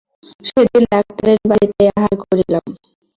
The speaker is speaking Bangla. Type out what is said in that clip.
সেদিন ডাক্তারের বাড়িতেই আহার করিলাম।